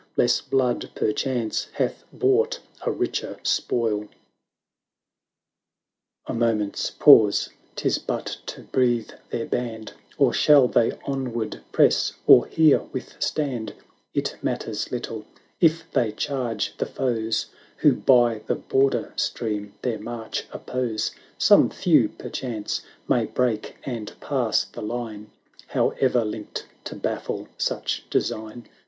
Less blood perchance hath bought a richer spoil ! A moment's pause — 'tis but to breathe their band, Or shall they onward press, or here with stand ? It matters little — if they charge the foes Who by the border stream their march oppose, 980 Some few, perchance, may break and pass the line. However linked to baffle such design.